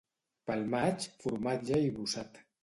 Pel maig, formatge i brossat.